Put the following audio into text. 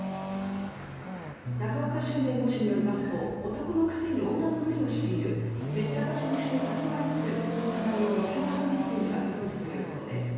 仲岡しゅん弁護士によりますと男のくせに女のふりをしているめった刺しにして殺害するといった内容の脅迫メッセージが届いたということです。